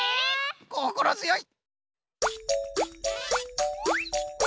こころづよい！